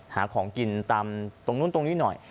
หาของกินตามตรงนู้นตรงนี้หน่อย